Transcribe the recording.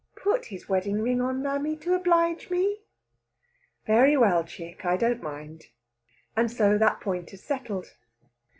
"Put his wedding ring on, mammy, to oblige me!" "Very well, chick I don't mind." And so that point is settled.